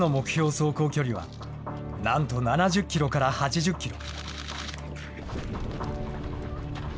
走行距離は、なんと７０キロから８０キロ。